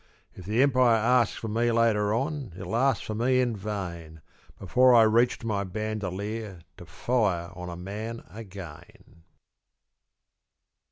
If the Empire asks for me later on It'll ask for me in vain, Before I reach to my bandolier To fire on a man again.